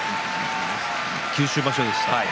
九州場所でしたか？